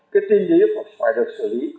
cái tin lý phải được xử lý